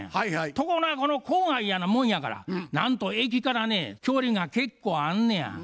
ところが郊外やなもんやからなんと駅からね距離が結構あんねや。